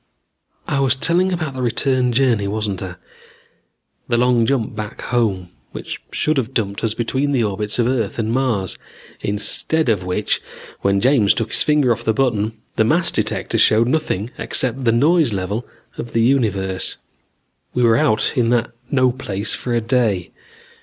"I was telling about the return journey, wasn't I? The long jump back home, which should have dumped us between the orbits of Earth and Mars. Instead of which, when James took his finger off the button, the mass detector showed nothing except the noise level of the universe. "We were out in that no place for a day.